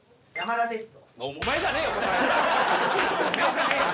「お前じゃねえよ」。